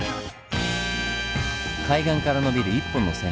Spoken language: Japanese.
海岸から延びる一本の線路。